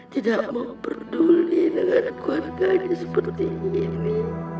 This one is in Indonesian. tidak mau peduli dengan keluarganya seperti ini